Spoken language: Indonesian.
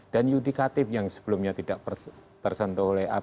dan yudikatif yang sebelumnya tidak tersentuh oleh apb